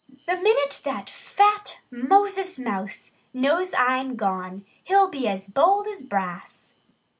"The minute that fat Moses Mouse knows I'm gone he'll be as bold as brass."